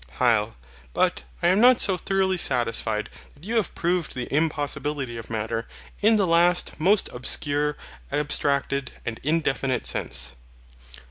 HYL. But I am not so thoroughly satisfied that you have proved the impossibility of Matter, in the last most obscure abstracted and indefinite sense.